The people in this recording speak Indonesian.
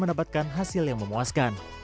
mendapatkan hasil yang memuaskan